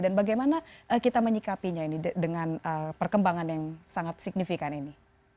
dan bagaimana kita menyikapinya ini dengan perkembangan yang sangat signifikan ini